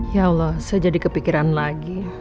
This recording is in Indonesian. ya allah saya jadi kepikiran lagi